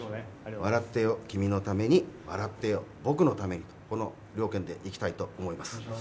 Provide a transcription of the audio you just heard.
笑ってよ、君のために笑ってよ、僕のためにこのような気持ちでいきたいと思います。